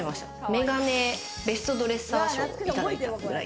メガネベストドレッサー賞をいただいたり。